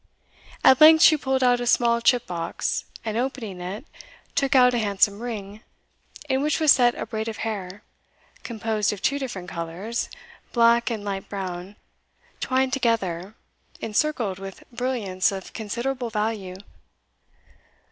At length she pulled out a small chip box, and opening it, took out a handsome ring, in which was set a braid of hair, composed of two different colours, black and light brown, twined together, encircled with brilliants of considerable value.